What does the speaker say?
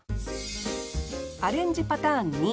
アレンジパターン２。